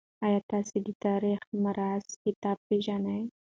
آیا تاسي د تاریخ مرصع کتاب پېژنئ؟